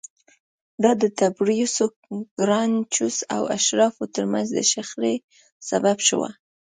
دا د تبریوس ګراکچوس او اشرافو ترمنځ د شخړې سبب شوه